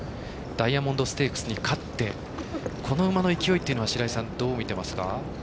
ダイヤモンドステークスに勝ってこの馬の勢いというのは白井さん、どう見ていますか？